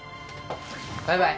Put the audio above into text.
バイバイ。